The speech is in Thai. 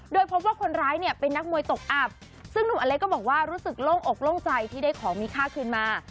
โดยพบว่าคนร้ายเนี่ยเป็นนักมวยตกอับซึ่งหนุ่มอเล็กก็บอกว่ารู้สึกโล่งอกโล่งใจที่ได้ของมีค่าคืนมา